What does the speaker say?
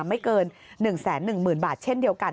ไม่เกิน๑๑๐๐๐บาทเช่นเดียวกัน